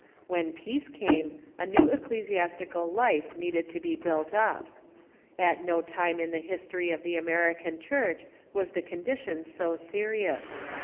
When peace came, a new ecclesiastical life needed to be built up. At no time in the history of the American Church was the condition so serious.